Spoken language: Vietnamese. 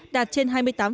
đạt trên hai mươi tám